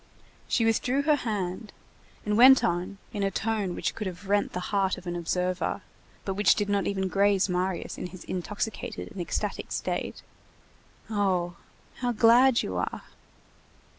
She withdrew her hand and went on, in a tone which could have rent the heart of an observer, but which did not even graze Marius in his intoxicated and ecstatic state:— "Oh! how glad you are!"